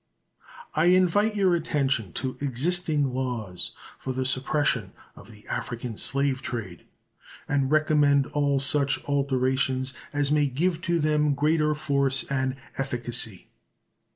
I invite your attention to existing laws for the suppression of the African slave trade, and recommend all such alterations as may give to them greater force and efficacy.